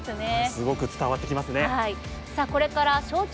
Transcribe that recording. すごく伝わってきますね。